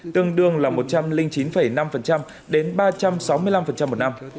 thường là một trăm linh chín năm đến ba trăm sáu mươi năm một năm